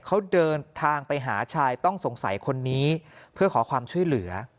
เขาเดินทางไปหาชายต้องสงสัยคนนี้เพื่อขอความช่วยเหลือ